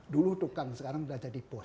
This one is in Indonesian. dulu tukang sekarang sudah jadi bos